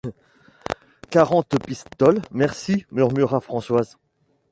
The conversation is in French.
Quarante pistoles, merci! murmura Françoise.